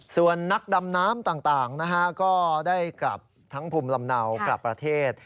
ส่วนนักดำน้ำต่างนะฮะก็ได้กลับทั้งภูมิลำเนากลับประเทศ